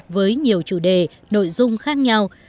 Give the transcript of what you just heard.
với nhiều chủ đề nội dung khác nhau